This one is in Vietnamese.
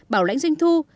bảo lãnh doanh thu